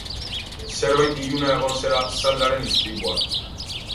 Zerbait iluna egon zela Sandraren istripuan.